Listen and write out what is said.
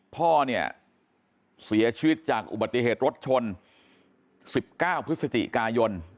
พ่อเนี่ยเสียชีวิตจากอุบัติเหตุรถชน๑๙พฤศจิกายน